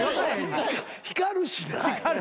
光るしな。